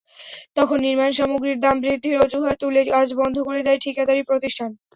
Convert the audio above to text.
তখন নির্মাণসামগ্রীর দাম বৃদ্ধির অজুহাত তুলে কাজ বন্ধ করে দেয় ঠিকাদারি প্রতিষ্ঠান।